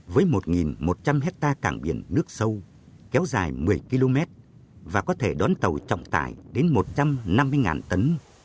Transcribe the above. với một một trăm linh hectare cảng biển nước sâu kéo dài một mươi km và có thể đón tàu trọng tải đến một trăm năm mươi tấn